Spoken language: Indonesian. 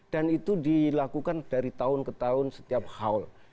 dan itu dilakukan dari tahun ke tahun setiap hal